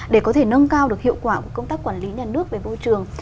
để có thể nâng cao được hiệu quả của công tác quản lý nhà nước về môi trường